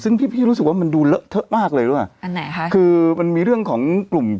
ซึ่งพี่รู้สึกว่ามันดูเหลิ่ะเยอะมากเลยด้วยอ่ะอันไหนคะคือมันมีเรื่องของกลุ่ม